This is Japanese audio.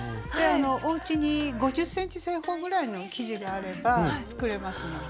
おうちに５０ｃｍ正方ぐらいの生地があれば作れますので。